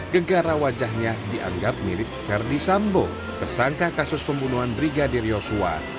genggara wajahnya dianggap mirip ferdi sambo kesangka kasus pembunuhan brigadir yosua